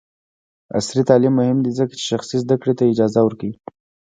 عصري تعلیم مهم دی ځکه چې شخصي زدکړې ته اجازه ورکوي.